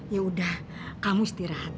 yaudah kamu istirahat